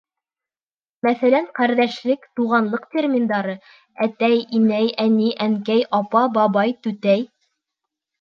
Мәҫәлән, ҡәрҙәшлек, туғанлыҡ терминдары: әтәй, инәй, әни, әнкәй, апа, бабай, түтәй.